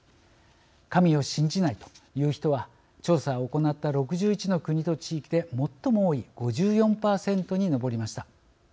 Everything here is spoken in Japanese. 神を信じないという人は調査を行った６１の国と地域で最も多い５４％に上りました。